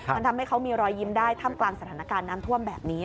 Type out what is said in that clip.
มันทำให้เขามีรอยยิ้มได้ท่ามกลางสถานการณ์น้ำท่วมแบบนี้